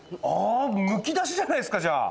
むき出しじゃないですかじゃあ。